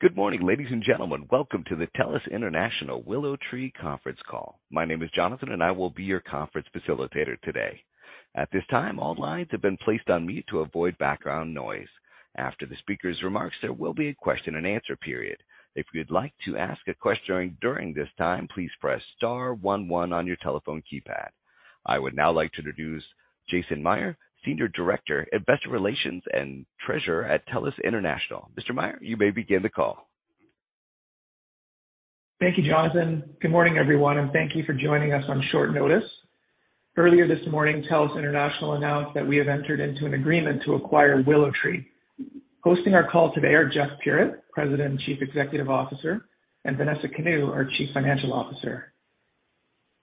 Good morning, ladies and gentlemen. Welcome to the TELUS International WillowTree conference call. My name is Jonathan, and I will be your conference facilitator today. At this time, all lines have been placed on mute to avoid background noise. After the speaker's remarks, there will be a question and answer period. If you'd like to ask a question during this time, please press star one one on your telephone keypad. I would now like to introduce Jason Mayr, Senior Director, Investor Relations and Treasurer at TELUS International. Mr. Mayr, you may begin the call. Thank you, Jonathan. Good morning, everyone, and thank you for joining us on short notice. Earlier this morning, TELUS International announced that we have entered into an agreement to acquire WillowTree. Hosting our call today are Jeff Puritt, President and Chief Executive Officer, and Vanessa Kanu, our Chief Financial Officer.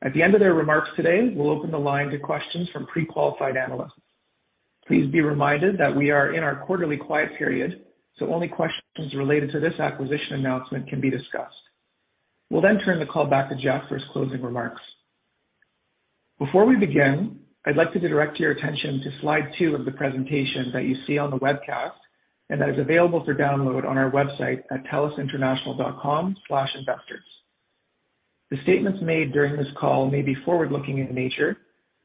At the end of their remarks today, we'll open the line to questions from pre-qualified analysts. Please be reminded that we are in our quarterly quiet period, so only questions related to this acquisition announcement can be discussed. We'll then turn the call back to Jeff for his closing remarks. Before we begin, I'd like to direct your attention to slide two of the presentation that you see on the webcast and that is available for download on our website at telusinternational.com/investors. The statements made during this call may be forward-looking in nature,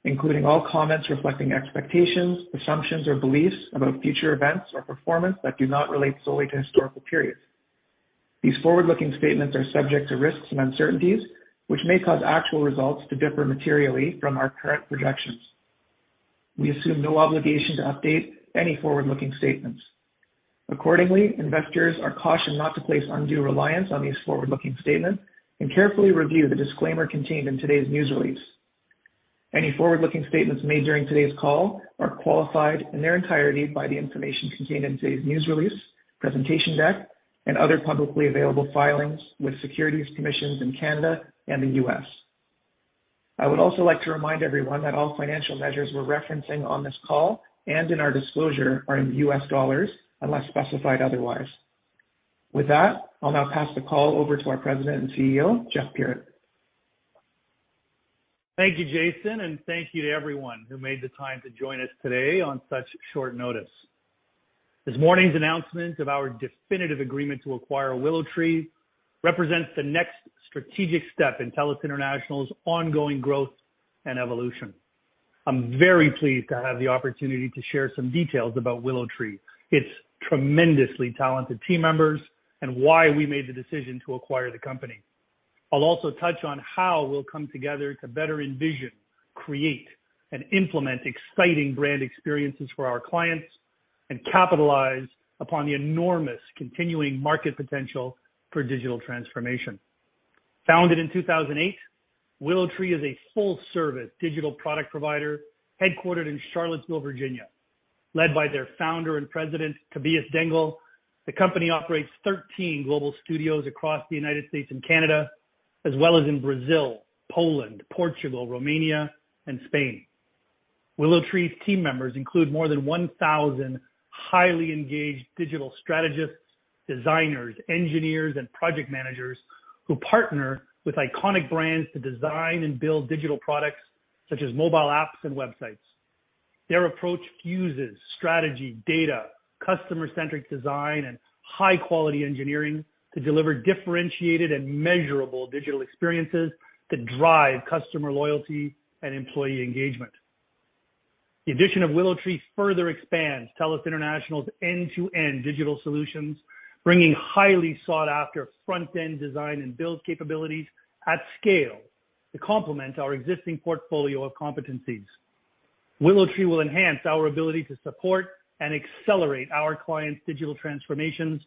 including all comments reflecting expectations, assumptions or beliefs about future events or performance that do not relate solely to historical periods. These forward-looking statements are subject to risks and uncertainties, which may cause actual results to differ materially from our current projections. We assume no obligation to update any forward-looking statements. Accordingly, investors are cautioned not to place undue reliance on these forward-looking statements and carefully review the disclaimer contained in today's news release. Any forward-looking statements made during today's call are qualified in their entirety by the information contained in today's news release, presentation deck and other publicly available filings with securities commissions in Canada and the U.S. I would also like to remind everyone that all financial measures we're referencing on this call and in our disclosure are in US dollars unless specified otherwise. With that, I'll now pass the call over to our President and CEO, Jeff Puritt. Thank you, Jason, and thank you to everyone who made the time to join us today on such short notice. This morning's announcement of our definitive agreement to acquire WillowTree represents the next strategic step in TELUS International's ongoing growth and evolution. I'm very pleased to have the opportunity to share some details about WillowTree, its tremendously talented team members, and why we made the decision to acquire the company. I'll also touch on how we'll come together to better envision, create, and implement exciting brand experiences for our clients and capitalize upon the enormous continuing market potential for digital transformation. Founded in 2008, WillowTree is a full service digital product provider headquartered in Charlottesville, Virginia. Led by their founder and president, Tobias Dengel, the company operates 13 global studios across the United States and Canada, as well as in Brazil, Poland, Portugal, Romania and Spain. WillowTree's team members include more than 1,000 highly engaged digital strategists, designers, engineers, and project managers who partner with iconic brands to design and build digital products such as mobile apps and websites. Their approach fuses strategy, data, customer-centric design and high quality engineering to deliver differentiated and measurable digital experiences that drive customer loyalty and employee engagement. The addition of WillowTree further expands TELUS International's end-to-end digital solutions, bringing highly sought after front-end design and build capabilities at scale to complement our existing portfolio of competencies. WillowTree will enhance our ability to support and accelerate our clients' digital transformations,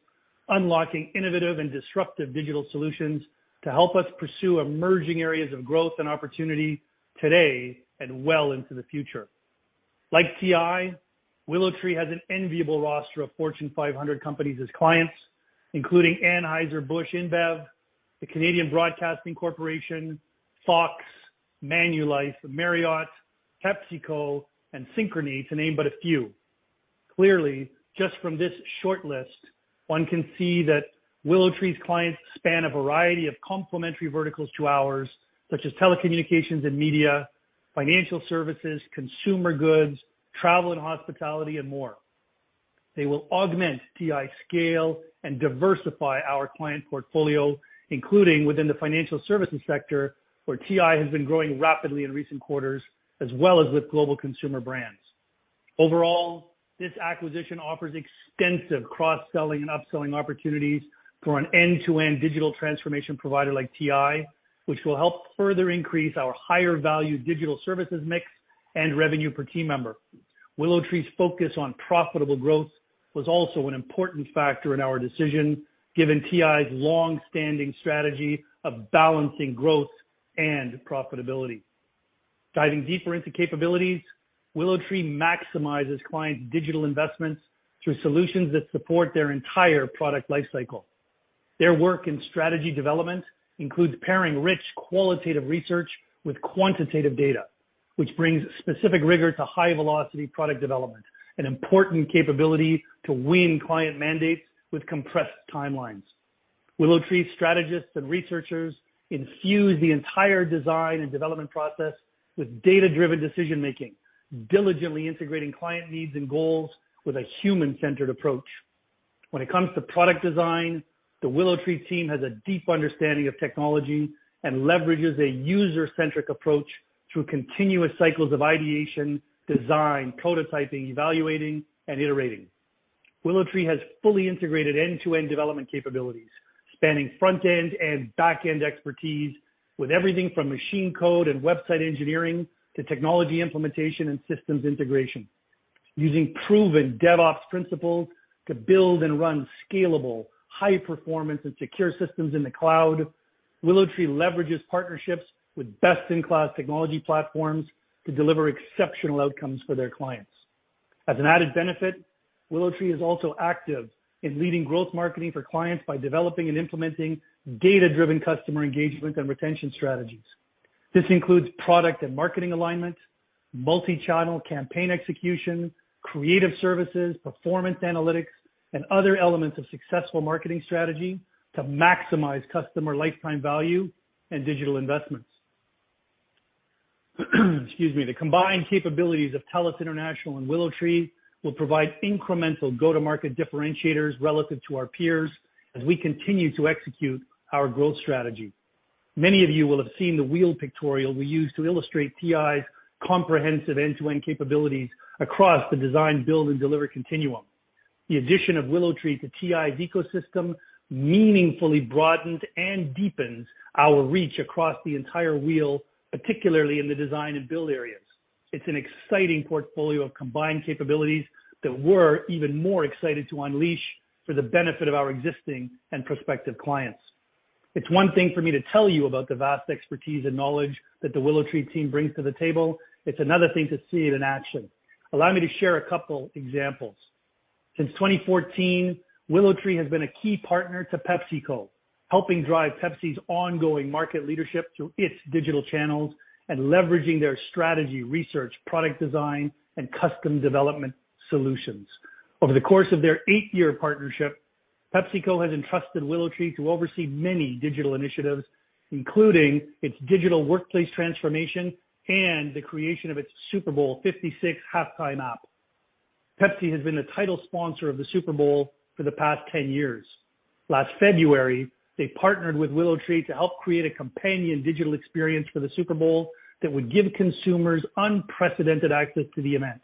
unlocking innovative and disruptive digital solutions to help us pursue emerging areas of growth and opportunity today and well into the future. Like TI, WillowTree has an enviable roster of Fortune 500 companies as clients, including Anheuser-Busch InBev, the Canadian Broadcasting Corporation, Fox, Manulife, Marriott, PepsiCo, and Synchrony to name but a few. Clearly, just from this short list, one can see that WillowTree's clients span a variety of complementary verticals to ours, such as telecommunications and media, financial services, consumer goods, travel and hospitality and more. They will augment TI scale and diversify our client portfolio, including within the financial services sector, where TI has been growing rapidly in recent quarters as well as with global consumer brands. Overall, this acquisition offers extensive cross-selling and upselling opportunities for an end-to-end digital transformation provider like TI, which will help further increase our higher value digital services mix and revenue per team member. WillowTree's focus on profitable growth was also an important factor in our decision given TI's long-standing strategy of balancing growth and profitability. Diving deeper into capabilities, WillowTree maximizes clients' digital investments through solutions that support their entire product life cycle. Their work in strategy development includes pairing rich qualitative research with quantitative data, which brings specific rigor to high-velocity product development, an important capability to win client mandates with compressed timelines. WillowTree strategists and researchers infuse the entire design and development process with data-driven decision-making, diligently integrating client needs and goals with a human-centered approach. When it comes to product design, the WillowTree team has a deep understanding of technology and leverages a user-centric approach through continuous cycles of ideation, design, prototyping, evaluating, and iterating. WillowTree has fully integrated end-to-end development capabilities, spanning front-end and back-end expertise with everything from machine code and website engineering to technology implementation and systems integration. Using proven DevOps principles to build and run scalable, high-performance, and secure systems in the cloud, WillowTree leverages partnerships with best-in-class technology platforms to deliver exceptional outcomes for their clients. As an added benefit, WillowTree is also active in leading growth marketing for clients by developing and implementing data-driven customer engagement and retention strategies. This includes product and marketing alignment, multi-channel campaign execution, creative services, performance analytics, and other elements of successful marketing strategy to maximize customer lifetime value and digital investments. The combined capabilities of TELUS International and WillowTree will provide incremental go-to-market differentiators relative to our peers as we continue to execute our growth strategy. Many of you will have seen the wheel pictorial we use to illustrate TI's comprehensive end-to-end capabilities across the design, build, and deliver continuum. The addition of WillowTree to TI's ecosystem meaningfully broadens and deepens our reach across the entire wheel, particularly in the design and build areas. It's an exciting portfolio of combined capabilities that we're even more excited to unleash for the benefit of our existing and prospective clients. It's one thing for me to tell you about the vast expertise and knowledge that the WillowTree team brings to the table. It's another thing to see it in action. Allow me to share a couple examples. Since 2014, WillowTree has been a key partner to PepsiCo, helping drive Pepsi's ongoing market leadership through its digital channels and leveraging their strategy, research, product design, and custom development solutions. Over the course of their eight-year partnership, PepsiCo has entrusted WillowTree to oversee many digital initiatives, including its digital workplace transformation and the creation of its Super Bowl 56 halftime app. Pepsi has been the title sponsor of the Super Bowl for the past 10 years. Last February, they partnered with WillowTree to help create a companion digital experience for the Super Bowl that would give consumers unprecedented access to the event,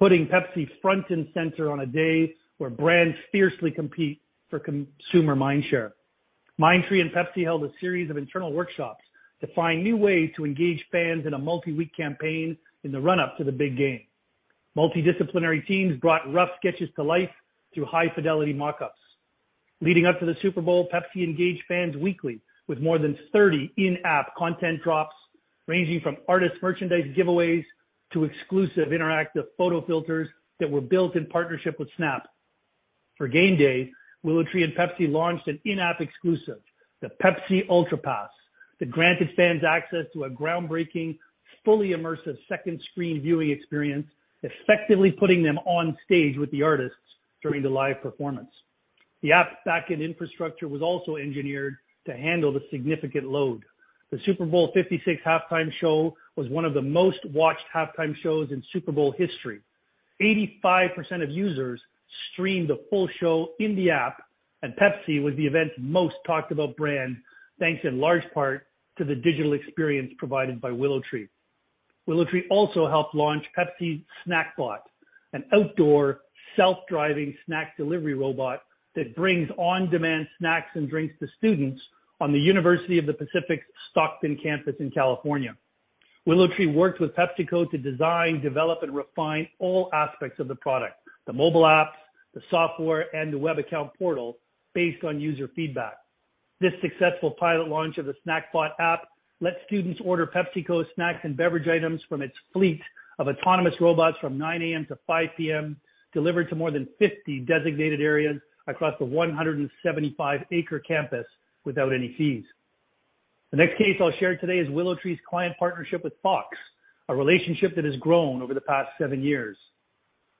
putting Pepsi front and center on a day where brands fiercely compete for consumer mind share. WillowTree and Pepsi held a series of internal workshops to find new ways to engage fans in a multi-week campaign in the run-up to the big game. Multidisciplinary teams brought rough sketches to life through high-fidelity mock-ups. Leading up to the Super Bowl, Pepsi engaged fans weekly with more than 30 in-app content drops, ranging from artist merchandise giveaways to exclusive interactive photo filters that were built in partnership with Snap. For game day, WillowTree and Pepsi launched an in-app exclusive, the Pepsi Ultra Pass, that granted fans access to a groundbreaking, fully immersive second screen viewing experience, effectively putting them on stage with the artists during the live performance. The app's back-end infrastructure was also engineered to handle the significant load. The Super Bowl 56 halftime show was one of the most-watched halftime shows in Super Bowl history. 85% of users streamed the full show in the app, and Pepsi was the event's most talked about brand, thanks in large part to the digital experience provided by WillowTree. WillowTree also helped launch PepsiCo's Snack Bot, an outdoor self-driving snack delivery robot that brings on-demand snacks and drinks to students on the University of the Pacific's Stockton campus in California. WillowTree worked with PepsiCo to design, develop, and refine all aspects of the product, the mobile apps, the software, and the web account portal based on user feedback. This successful pilot launch of the Snack Bot app lets students order PepsiCo snacks and beverage items from its fleet of autonomous robots from 9:00 A.M. to 5:00 P.M., delivered to more than 50 designated areas across the 175-acre campus without any fees. The next case I'll share today is WillowTree's client partnership with Fox, a relationship that has grown over the past seven years.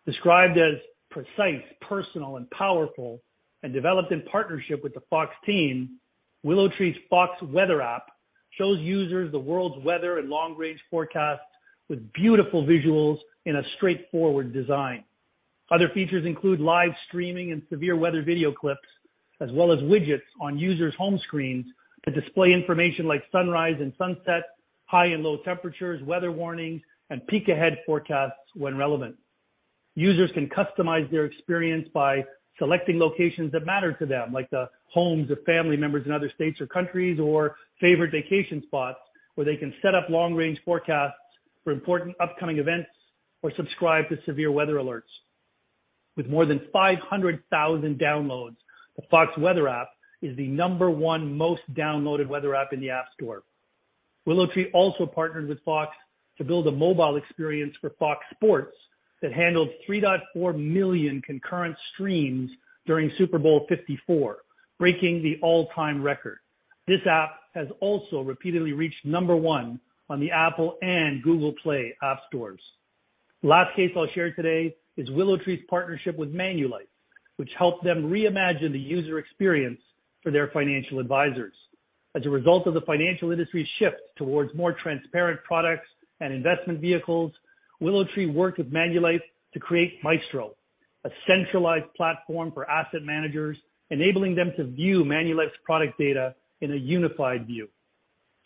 Described as precise, personal, and powerful, and developed in partnership with the Fox team, WillowTree's Fox Weather app shows users the world's weather and long-range forecasts with beautiful visuals in a straightforward design. Other features include live streaming and severe weather video clips, as well as widgets on users' home screens that display information like sunrise and sunset, high and low temperatures, weather warnings, and peek ahead forecasts when relevant. Users can customize their experience by selecting locations that matter to them, like the homes of family members in other states or countries, or favorite vacation spots, where they can set up long-range forecasts for important upcoming events or subscribe to severe weather alerts. With more than 500,000 downloads, the Fox Weather app is the number one most downloaded weather app in the App Store. WillowTree also partnered with Fox to build a mobile experience for Fox Sports that handled 3.4 million concurrent streams during Super Bowl 54, breaking the all-time record. This app has also repeatedly reached number one on the Apple and Google Play app stores. Last case I'll share today is WillowTree's partnership with Manulife, which helped them reimagine the user experience for their financial advisors. As a result of the financial industry's shift towards more transparent products and investment vehicles, WillowTree worked with Manulife to create Maestro, a centralized platform for asset managers, enabling them to view Manulife's product data in a unified view.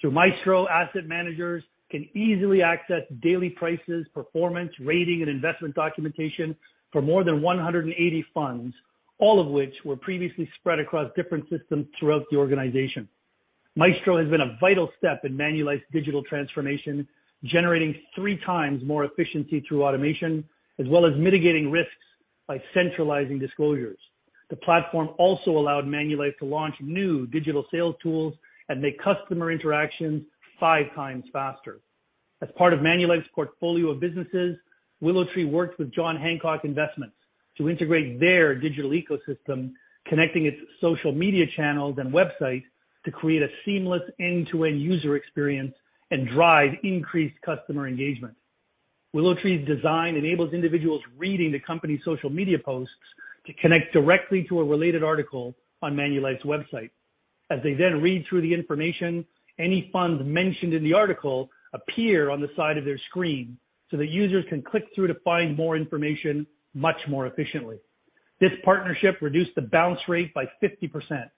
Through Maestro, asset managers can easily access daily prices, performance, rating, and investment documentation for more than 180 funds, all of which were previously spread across different systems throughout the organization. Maestro has been a vital step in Manulife's digital transformation, generating three times more efficiency through automation, as well as mitigating risks by centralizing disclosures. The platform also allowed Manulife to launch new digital sales tools and make customer interactions five times faster. As part of Manulife's portfolio of businesses, WillowTree worked with John Hancock Investment Management to integrate their digital ecosystem, connecting its social media channels and websites to create a seamless end-to-end user experience and drive increased customer engagement. WillowTree's design enables individuals reading the company's social media posts to connect directly to a related article on Manulife's website. As they then read through the information, any funds mentioned in the article appear on the side of their screen, so the users can click through to find more information much more efficiently. This partnership reduced the bounce rate by 50%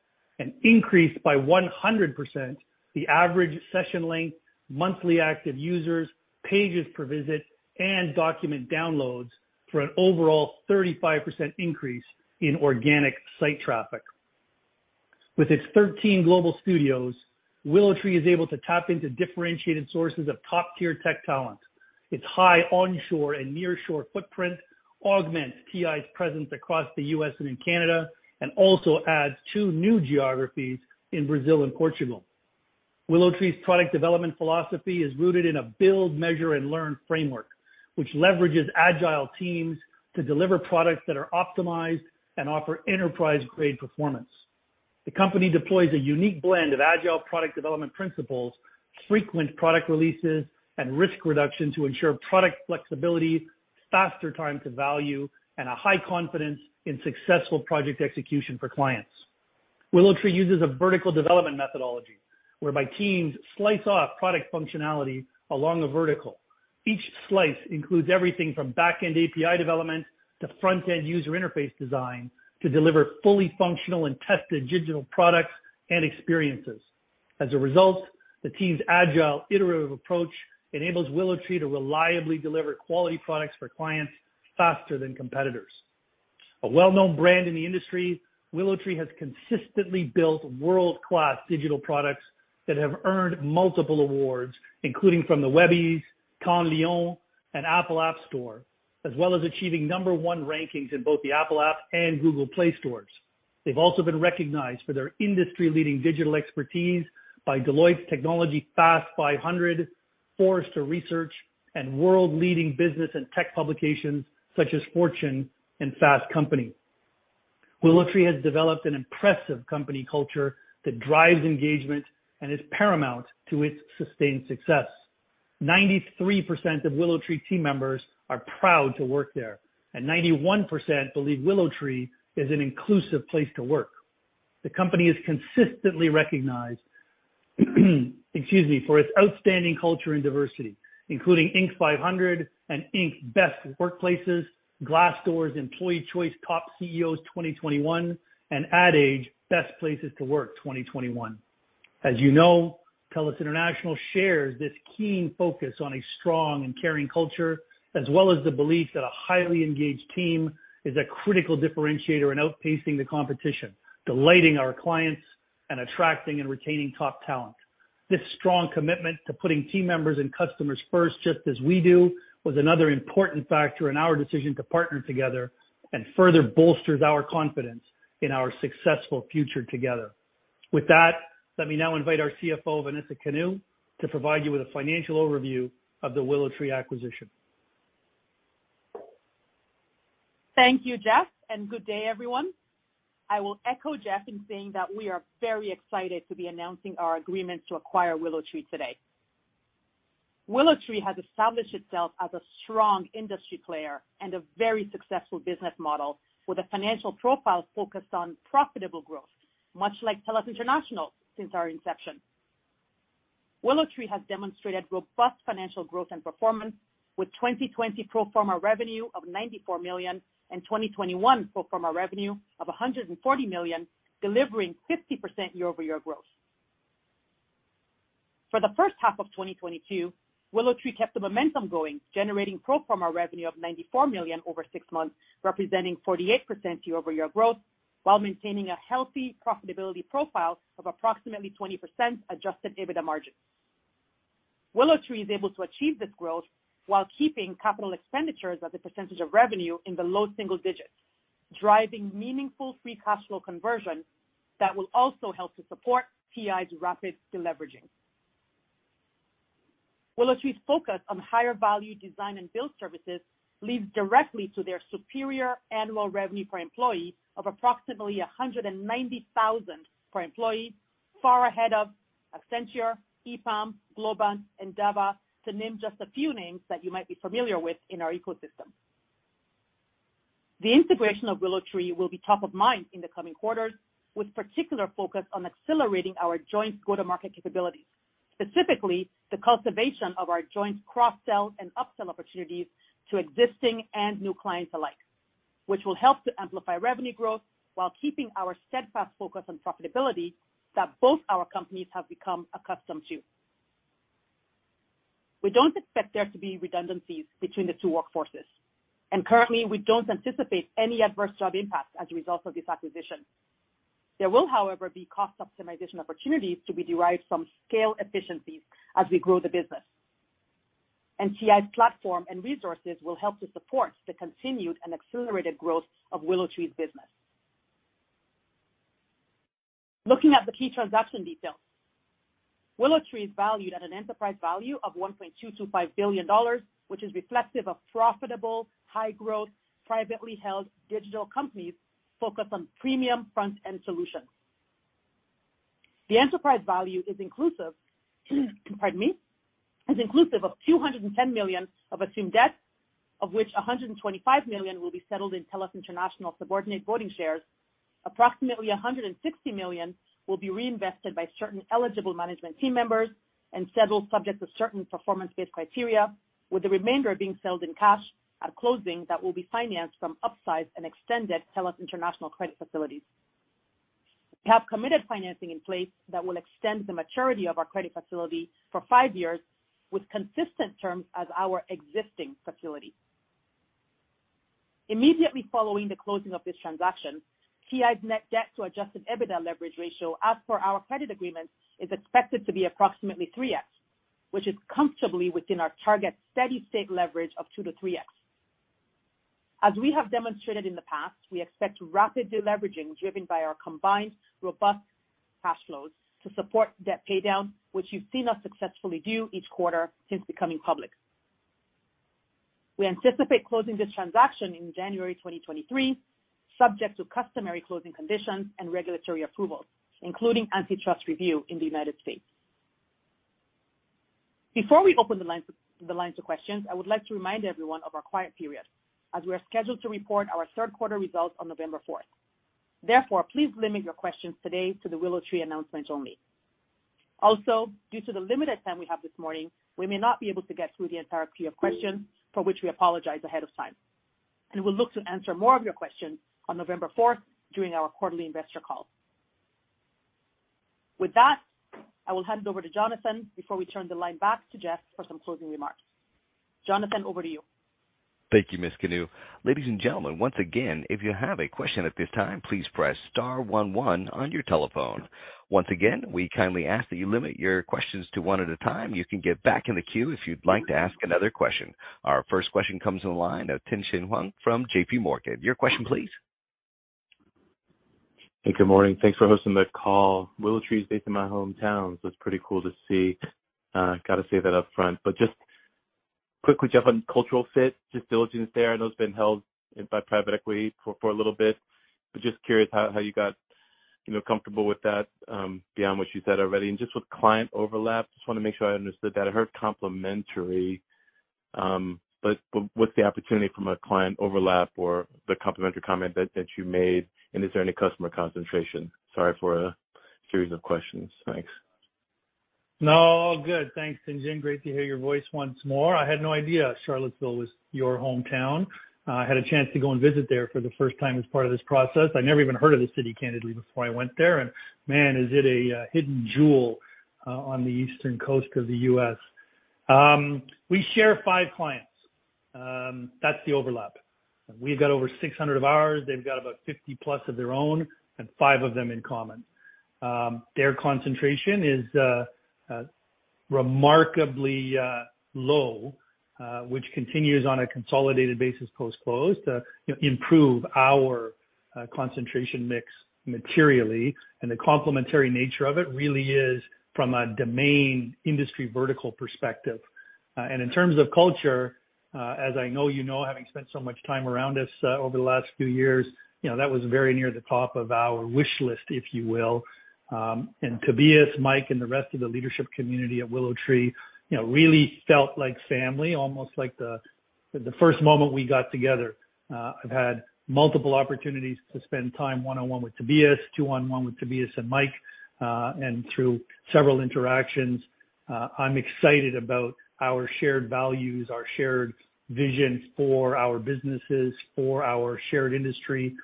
and increased by 100% the average session length, monthly active users, pages per visit, and document downloads for an overall 35% increase in organic site traffic. With its 13 global studios, WillowTree is able to tap into differentiated sources of top-tier tech talent. Its high onshore and nearshore footprint augments TI's presence across the U.S. and in Canada, and also adds two new geographies in Brazil and Portugal. WillowTree's product development philosophy is rooted in a build, measure, and learn framework, which leverages agile teams to deliver products that are optimized and offer enterprise-grade performance. The company deploys a unique blend of agile product development principles, frequent product releases, and risk reduction to ensure product flexibility, faster time to value, and a high confidence in successful project execution for clients. WillowTree uses a vertical development methodology, whereby teams slice off product functionality along a vertical. Each slice includes everything from back-end API development to front-end user interface design to deliver fully functional and tested digital products and experiences. As a result, the team's agile iterative approach enables WillowTree to reliably deliver quality products for clients faster than competitors. A well-known brand in the industry, WillowTree has consistently built world-class digital products that have earned multiple awards, including from the Webbys, Cannes Lions, and Apple App Store, as well as achieving number one rankings in both the Apple App and Google Play stores. They've also been recognized for their industry-leading digital expertise by Deloitte Technology Fast 500, Forrester Research, and world-leading business and tech publications such as Fortune and Fast Company. WillowTree has developed an impressive company culture that drives engagement and is paramount to its sustained success. 93% of WillowTree team members are proud to work there, and 91% believe WillowTree is an inclusive place to work. The company is consistently recognized, for its outstanding culture and diversity, including Inc. 500 and Inc. Best Workplaces, Glassdoor's Employee Choice Top CEOs 2021, and Ad Age Best Places to Work 2021. As you know, TELUS International shares this keen focus on a strong and caring culture, as well as the belief that a highly engaged team is a critical differentiator in outpacing the competition, delighting our clients, and attracting and retaining top talent. This strong commitment to putting team members and customers first, just as we do, was another important factor in our decision to partner together and further bolsters our confidence in our successful future together. With that, let me now invite our CFO, Vanessa Kanu, to provide you with a financial overview of the WillowTree acquisition. Thank you, Jeff, and good day, everyone. I will echo Jeff in saying that we are very excited to be announcing our agreement to acquire WillowTree today. WillowTree has established itself as a strong industry player and a very successful business model with a financial profile focused on profitable growth, much like TELUS International since our inception. WillowTree has demonstrated robust financial growth and performance, with 2020 pro forma revenue of $94 million and 2021 pro forma revenue of $140 million, delivering 50% year-over-year growth. For the first half of 2022, WillowTree kept the momentum going, generating pro forma revenue of $94 million over six months, representing 48% year-over-year growth, while maintaining a healthy profitability profile of approximately 20% adjusted EBITDA margin. WillowTree is able to achieve this growth while keeping capital expenditures as a percentage of revenue in the low single-digits, driving meaningful free cash flow conversion that will also help to support TI's rapid deleveraging. WillowTree's focus on higher value design and build services leads directly to their superior annual revenue per employee of approximately $190,000 per employee, far ahead of Accenture, EPAM, Globant, Endava, to name just a few names that you might be familiar with in our ecosystem. The integration of WillowTree will be top of mind in the coming quarters, with particular focus on accelerating our joint go-to-market capabilities, specifically the cultivation of our joint cross-sell and upsell opportunities to existing and new clients alike, which will help to amplify revenue growth while keeping our steadfast focus on profitability that both our companies have become accustomed to. We don't expect there to be redundancies between the two workforces, and currently, we don't anticipate any adverse job impacts as a result of this acquisition. There will, however, be cost optimization opportunities to be derived from scale efficiencies as we grow the business. TI's platform and resources will help to support the continued and accelerated growth of WillowTree's business. Looking at the key transaction details. WillowTree is valued at an enterprise value of $1.225 billion, which is reflective of profitable, high-growth, privately held digital companies focused on premium front-end solutions. The enterprise value is inclusive, pardon me, of $210 million of assumed debt, of which $125 million will be settled in TELUS International subordinate voting shares. Approximately $160 million will be reinvested by certain eligible management team members and settled subject to certain performance-based criteria, with the remainder being settled in cash at closing that will be financed from upsized and extended TELUS International credit facilities. We have committed financing in place that will extend the maturity of our credit facility for five years with consistent terms as our existing facility. Immediately following the closing of this transaction, TI's net debt to adjusted EBITDA leverage ratio, as per our credit agreement, is expected to be approximately 3x, which is comfortably within our target steady-state leverage of 2x-3x. As we have demonstrated in the past, we expect rapid deleveraging driven by our combined robust cash flows to support debt paydown, which you've seen us successfully do each quarter since becoming public. We anticipate closing this transaction in January 2023, subject to customary closing conditions and regulatory approvals, including antitrust review in the United States. Before we open the lines of questions, I would like to remind everyone of our quiet period as we are scheduled to report our third quarter results on November 4th. Therefore, please limit your questions today to the WillowTree announcement only. Also, due to the limited time we have this morning, we may not be able to get through the entire queue of questions, for which we apologize ahead of time, and we'll look to answer more of your questions on November fourth during our quarterly investor call. With that, I will hand it over to Jonathan before we turn the line back to Jeff for some closing remarks. Jonathan, over to you. Thank you, Ms. Kanu. Ladies and gentlemen, once again, if you have a question at this time, please press star one one on your telephone. Once again, we kindly ask that you limit your questions to one at a time. You can get back in the queue if you'd like to ask another question. Our first question comes on the line of Tien-Tsin Huang from JPMorgan. Your question please. Hey, good morning. Thanks for hosting the call. WillowTree is based in my hometown, so it's pretty cool to see. Gotta say that up front, but just quickly, Jeff, on cultural fit, due diligence there. I know it's been held by private equity for a little bit. Just curious how you got, you know, comfortable with that beyond what you said already. Just with client overlap, just wanna make sure I understood that. I heard complementary, but what's the opportunity from a client overlap or the complementary comment that you made? Is there any customer concentration? Sorry for a series of questions. Thanks. No. Good. Thanks, Tsin. Great to hear your voice once more. I had no idea Charlottesville was your hometown. I had a chance to go and visit there for the first time as part of this process. I never even heard of the city, candidly, before I went there. Man, is it a hidden jewel on the eastern coast of the U.S. We share five clients. That's the overlap. We've got over 600 of ours. They've got about 50+ of their own and five of them in common. Their concentration is remarkably low, which continues on a consolidated basis post-close to, you know, improve our concentration mix materially. The complementary nature of it really is from a domain industry vertical perspective. In terms of culture, as I know you know, having spent so much time around us, over the last few years, you know, that was very near the top of our wish list, if you will. Tobias, Mike, and the rest of the leadership community at WillowTree, you know, really felt like family, almost like the first moment we got together. I've had multiple opportunities to spend time one-on-one with Tobias, two-on-one with Tobias and Mike, and through several interactions. I'm excited about our shared values, our shared vision for our businesses, for our shared industry.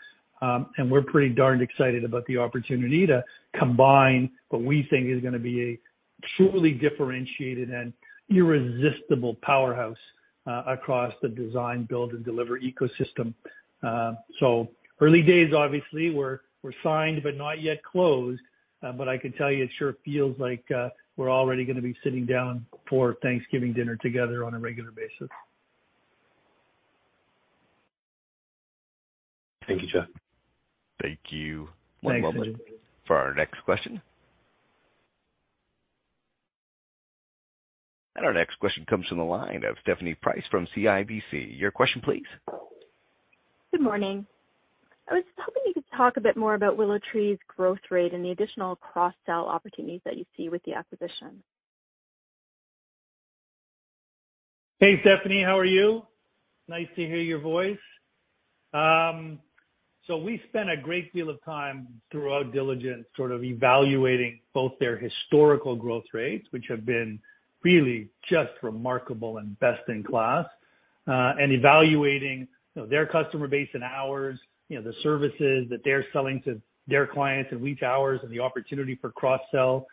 We're pretty darn excited about the opportunity to combine what we think is gonna be a truly differentiated and irresistible powerhouse, across the design, build, and deliver ecosystem. Early days, obviously. We're signed but not yet closed. I can tell you it sure feels like we're already gonna be sitting down for Thanksgiving dinner together on a regular basis. Thank you, Jeff. Thank you. Thanks, Tsin. One moment for our next question. Our next question comes from the line of Stephanie Price from CIBC. Your question please. Good morning. I was hoping you could talk a bit more about WillowTree's growth rate and the additional cross-sell opportunities that you see with the acquisition. Hey, Stephanie, how are you? Nice to hear your voice. We spent a great deal of time through our diligence sort of evaluating both their historical growth rates, which have been really just remarkable and best in class, and evaluating, you know, their customer base and ours, you know, the services that they're selling to their clients and which ours and the opportunity for cross-sell.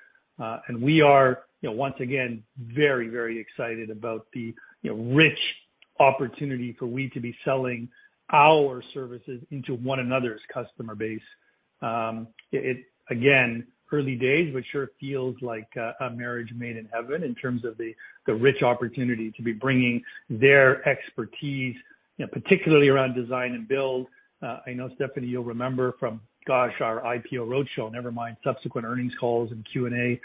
We are, you know, once again very, very excited about the, you know, rich opportunity for we to be selling our services into one another's customer base. It again, early days, but sure feels like a marriage made in heaven in terms of the rich opportunity to be bringing their expertise, you know, particularly around design and build. I know, Stephanie, you'll remember from, gosh, our IPO roadshow, never mind subsequent earnings calls and Q&A. You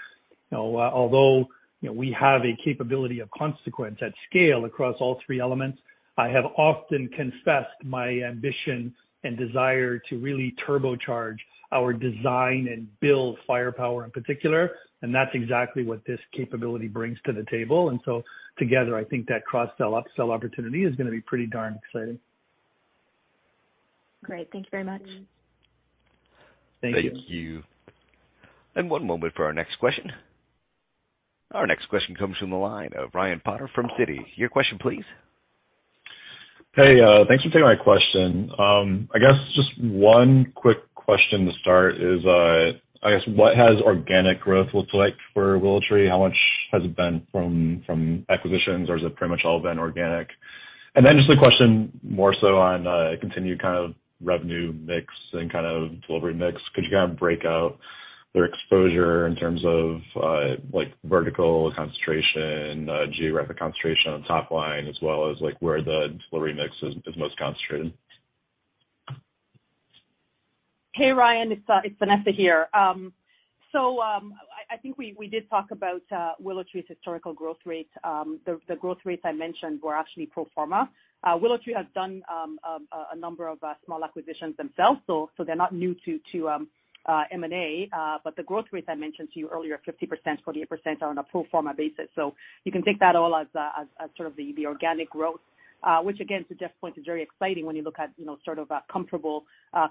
know, although, you know, we have a capability of consequence at scale across all three elements, I have often confessed my ambition and desire to really turbocharge our design and build firepower in particular, and that's exactly what this capability brings to the table. Together, I think that cross-sell, upsell opportunity is gonna be pretty darn exciting. Great. Thank you very much. Thank you. Thank you. One moment for our next question. Our next question comes from the line of Ryan Potter from Citi. Your question please. Hey, thanks for taking my question. I guess just one quick question to start is, I guess what has organic growth looked like for WillowTree? How much has it been from acquisitions, or has it pretty much all been organic? Just a question more so on continued kind of revenue mix and kind of delivery mix. Could you kind of break out their exposure in terms of, like, vertical concentration, geographic concentration on top line as well as, like, where the delivery mix is most concentrated? Hey, Ryan, it's Vanessa here. I think we did talk about WillowTree's historical growth rate. The growth rates I mentioned were actually pro forma. WillowTree has done a number of small acquisitions themselves, so they're not new to M&A. But the growth rates I mentioned to you earlier, 50%, 48% on a pro forma basis. You can take that all as sort of the organic growth, which again, to Jeff's point, is very exciting when you look at, you know, sort of comparable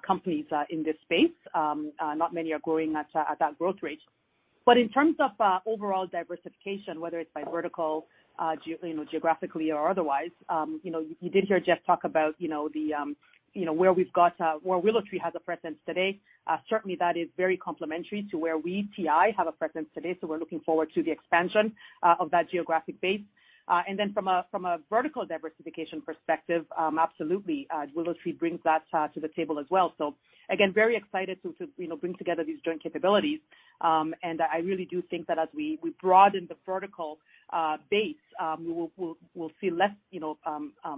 companies in this space. Not many are growing at that growth rate. In terms of overall diversification, whether it's by vertical, geographically or otherwise, you know, you did hear Jeff talk about, you know where WillowTree has a presence today. Certainly that is very complementary to where we, TI, have a presence today, so we're looking forward to the expansion of that geographic base. And then from a vertical diversification perspective, absolutely, WillowTree brings that to the table as well. Again, very excited to you know bring together these joint capabilities.I really do think that as we broaden the vertical base, we'll see less, you know,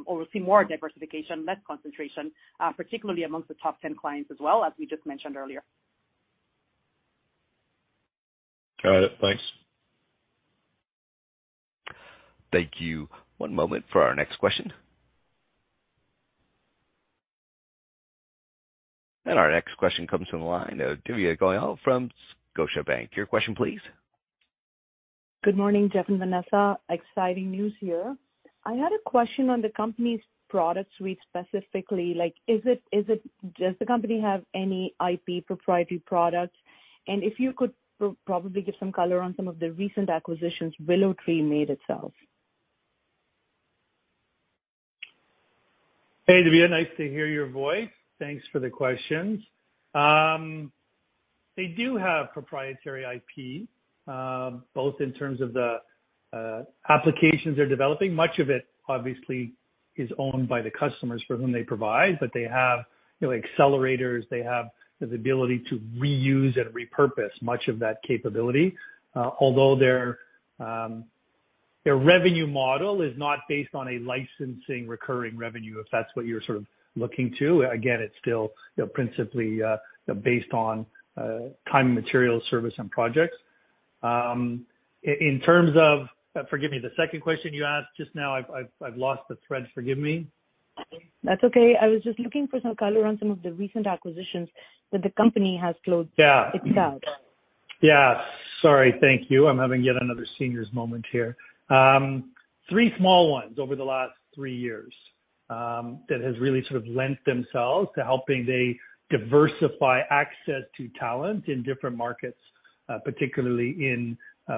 or we'll see more diversification, less concentration, particularly amongst the top 10 clients as well, as we just mentioned earlier. Got it. Thanks. Thank you. One moment for our next question. Our next question comes from the line of Divya Goyal from Scotiabank. Your question please. Good morning, Jeff and Vanessa. Exciting news here. I had a question on the company's product suite specifically, like is it? Does the company have any IP proprietary products? If you could probably give some color on some of the recent acquisitions WillowTree made itself. Hey, Divya, nice to hear your voice. Thanks for the questions. They do have proprietary IP, both in terms of the applications they're developing. Much of it obviously is owned by the customers for whom they provide, but they have, you know, accelerators. They have the ability to reuse and repurpose much of that capability. Although their revenue model is not based on a licensing recurring revenue, if that's what you're sort of looking to. Again, it's still, you know, principally based on time, material, service and projects. Forgive me, the second question you asked just now, I've lost the thread. Forgive me. That's okay. I was just looking for some color on some of the recent acquisitions that the company has closed- Yeah. ...itself. Yeah. Sorry. Thank you. I'm having yet another senior's moment here. Three small ones over the last three years that has really sort of lent themselves to helping them diversify access to talent in different markets, particularly in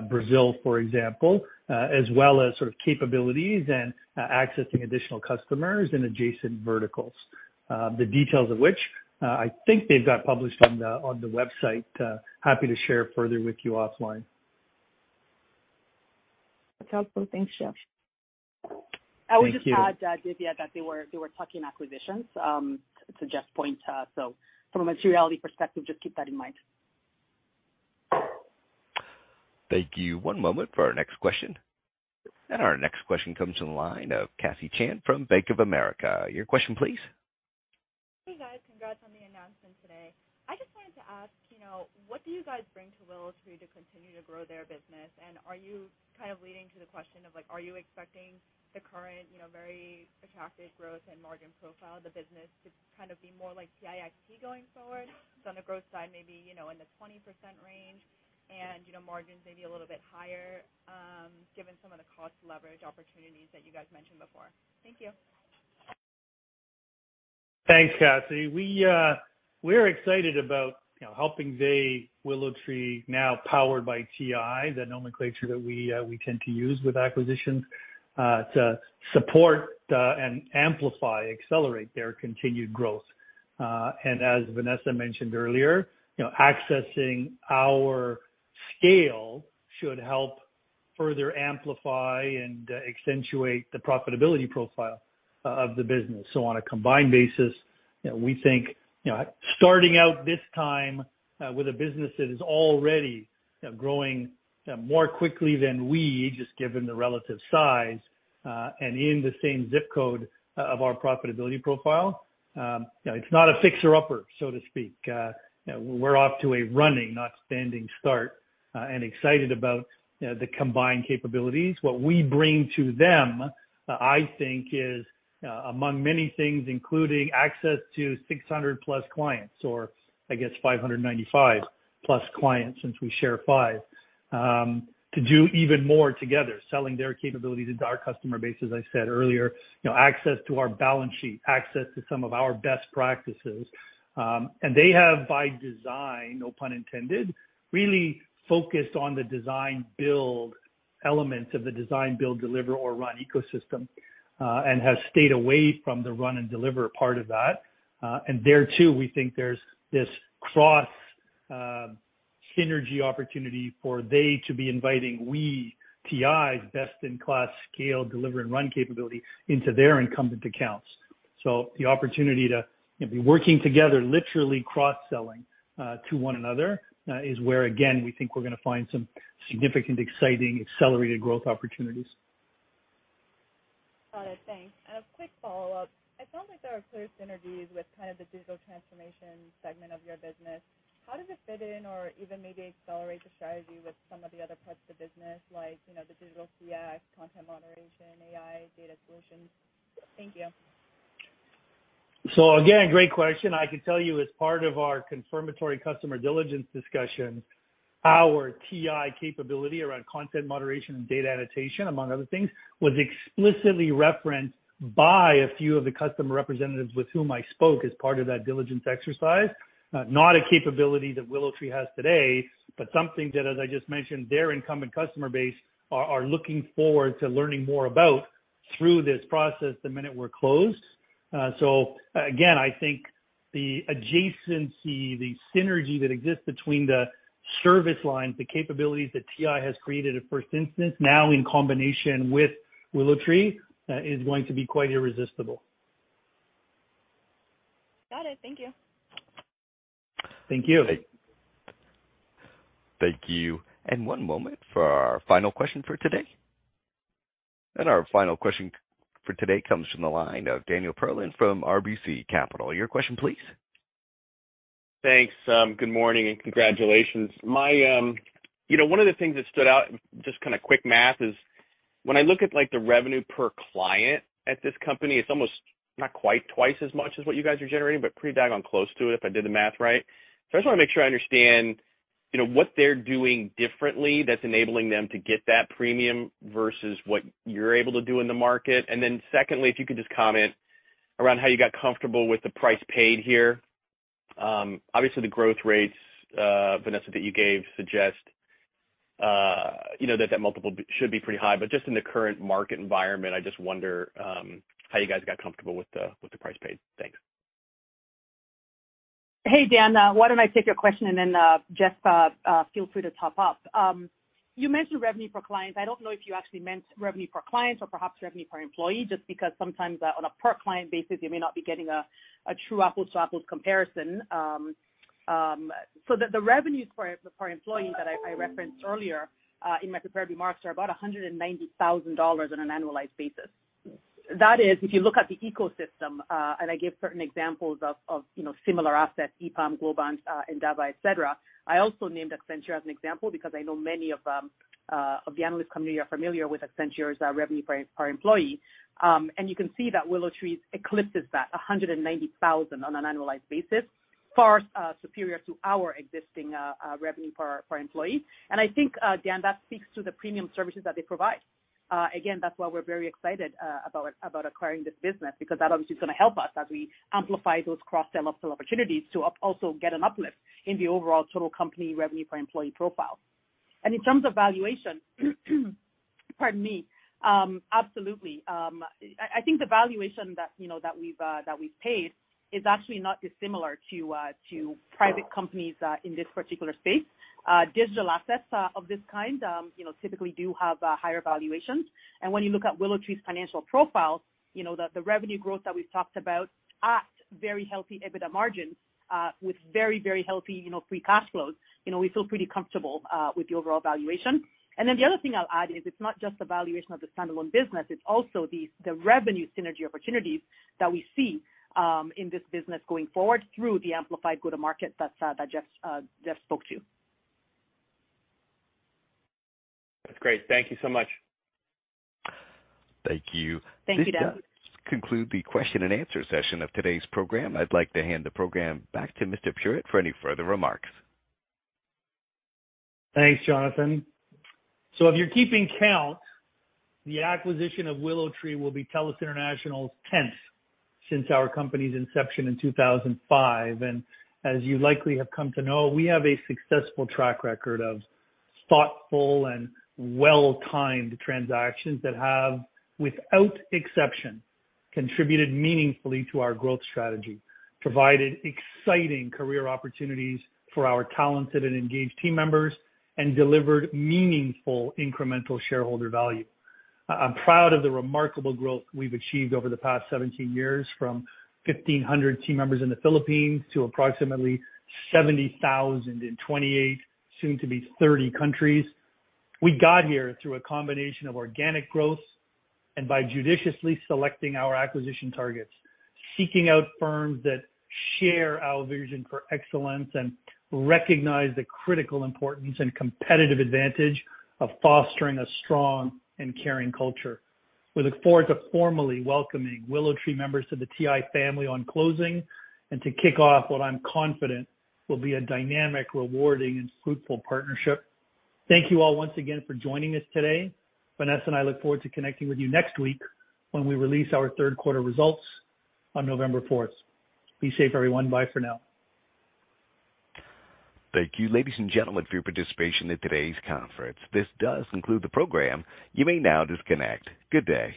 Brazil, for example, as well as sort of capabilities and accessing additional customers in adjacent verticals. The details of which, I think they've got published on the website. Happy to share further with you offline. That's helpful. Thanks, Jeff. Thank you. I would just add, Divya, that they were tuck-in acquisitions, to Jeff's point. From a materiality perspective, just keep that in mind. Thank you. One moment for our next question. Our next question comes from the line of Cassie Chan from Bank of America. Your question, please. Hi, guys. Congrats on the announcement. As you know, what do you guys bring to WillowTree to continue to grow their business? Are you kind of leading to the question of like, are you expecting the current, you know, very attractive growth and margin profile of the business to kind of be more like TI going forward on the growth side, maybe, you know, in the 20% range and, you know, margins may be a little bit higher, given some of the cost leverage opportunities that you guys mentioned before? Thank you. Thanks, Cassie. We're excited about, you know, helping WillowTree, now powered by TI, the nomenclature that we tend to use with acquisitions, to support and amplify, accelerate their continued growth. As Vanessa mentioned earlier, you know, accessing our scale should help further amplify and accentuate the profitability profile of the business. On a combined basis, you know, we think, you know, starting out this time, with a business that is already growing more quickly than we just given the relative size, and in the same zip code of our profitability profile, you know, it's not a fixer upper, so to speak. We're off to a running, not standing start, and excited about, you know, the combined capabilities. What we bring to them, I think, is, among many things, including access to 600+ clients, or I guess 595+ clients, since we share five, to do even more together, selling their capabilities into our customer base, as I said earlier. You know, access to our balance sheet, access to some of our best practices. And they have by design, no pun intended, really focused on the design build elements of the design build deliver or run ecosystem, and have stayed away from the run and deliver part of that. And there too, we think there's this cross, synergy opportunity for they to be inviting we, TI's best in class scale deliver and run capability into their incumbent accounts. The opportunity to be working together, literally cross-selling, to one another, is where again, we think we're gonna find some significant, exciting, accelerated growth opportunities. Got it. Thanks. A quick follow-up. It sounds like there are clear synergies with kind of the digital transformation segment of your business. How does it fit in or even maybe accelerate the strategy with some of the other parts of the business, like, you know, the digital CX, content moderation, AI, data solutions? Thank you. Again, great question. I can tell you, as part of our confirmatory customer diligence discussion, our TI capability around content moderation and data annotation, among other things, was explicitly referenced by a few of the customer representatives with whom I spoke as part of that diligence exercise. Not a capability that WillowTree has today, but something that, as I just mentioned, their incumbent customer base are looking forward to learning more about through this process the minute we're closed. Again, I think the adjacency, the synergy that exists between the service lines, the capabilities that TI has created a first instance now in combination with WillowTree, is going to be quite irresistible. Got it. Thank you. Thank you. Thank you. One moment for our final question for today. Our final question for today comes from the line of Daniel Perlin from RBC Capital. Your question, please. Thanks, good morning and congratulations. My, you know, one of the things that stood out, just kind of quick math, is when I look at like the revenue per client at this company, it's almost not quite twice as much as what you guys are generating, but pretty doggone close to it if I did the math right. I just want to make sure I understand, you know, what they're doing differently that's enabling them to get that premium versus what you're able to do in the market. Secondly, if you could just comment around how you got comfortable with the price paid here. Obviously the growth rates, Vanessa, that you gave suggest you know that multiple should be pretty high, but just in the current market environment, I just wonder how you guys got comfortable with the price paid. Thanks. Hey, Dan, why don't I take your question and then, Jeff, feel free to top up. You mentioned revenue per client. I don't know if you actually meant revenue per client or perhaps revenue per employee, just because sometimes on a per client basis, you may not be getting a true apples to apples comparison. The revenue per employee that I referenced earlier in my prepared remarks is about $190,000 on an annualized basis. That is, if you look at the ecosystem and I gave certain examples of you know similar assets, EPAM, Globant, Endava, et cetera. I also named Accenture as an example because I know many of them of the analyst community are familiar with Accenture's revenue per employee. You can see that WillowTree's $190,000 on an annualized basis, far superior to our existing revenue per employee. I think, Dan, that speaks to the premium services that they provide. Again, that's why we're very excited about acquiring this business, because that obviously is gonna help us as we amplify those cross sell upsell opportunities to also get an uplift in the overall total company revenue per employee profile. In terms of valuation, pardon me, absolutely. I think the valuation that, you know, that we've paid is actually not dissimilar to private companies in this particular space. Digital assets of this kind, you know, typically do have higher valuations. When you look at WillowTree's financial profile, you know, the revenue growth that we've talked about at very healthy EBITDA margins, with very, very healthy, you know, free cash flows, you know, we feel pretty comfortable with the overall valuation. The other thing I'll add is it's not just the valuation of the standalone business, it's also the revenue synergy opportunities that we see in this business going forward through the amplified go-to-market that Jeff spoke to. That's great. Thank you so much. Thank you. Thank you, Dan. This does conclude the question and answer session of today's program. I'd like to hand the program back to Mr. Puritt for any further remarks. Thanks, Jonathan. If you're keeping count, the acquisition of WillowTree will be TELUS International's tenth since our company's inception in 2005. As you likely have come to know, we have a successful track record of thoughtful and well-timed transactions that have, without exception, contributed meaningfully to our growth strategy, provided exciting career opportunities for our talented and engaged team members, and delivered meaningful incremental shareholder value. I'm proud of the remarkable growth we've achieved over the past 17 years, from 1,500 team members in the Philippines to approximately 70,000 in 28, soon to be 30 countries. We got here through a combination of organic growth and by judiciously selecting our acquisition targets, seeking out firms that share our vision for excellence, and recognize the critical importance and competitive advantage of fostering a strong and caring culture. We look forward to formally welcoming WillowTree members to the TI family on closing and to kick off what I'm confident will be a dynamic, rewarding, and fruitful partnership. Thank you all once again for joining us today. Vanessa and I look forward to connecting with you next week when we release our third quarter results on November 4th. Be safe, everyone. Bye for now. Thank you, ladies and gentlemen, for your participation in today's conference. This does conclude the program. You may now disconnect. Good day.